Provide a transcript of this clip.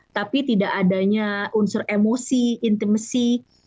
tapi tidak adanya unsur emosi intimacy